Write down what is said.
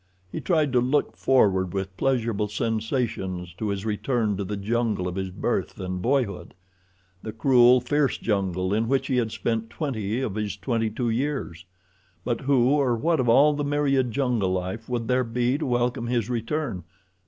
He tried to look forward with pleasurable sensations to his return to the jungle of his birth and boyhood; the cruel, fierce jungle in which he had spent twenty of his twenty two years. But who or what of all the myriad jungle life would there be to welcome his return?